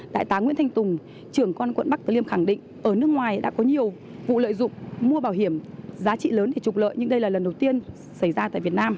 đại tá nguyễn thanh tùng trưởng quận bắc tử liêm khẳng định ở nước ngoài đã có nhiều vụ lợi dụng mua bảo hiểm giá trị lớn để trục lợi nhưng đây là lần đầu tiên xảy ra tại việt nam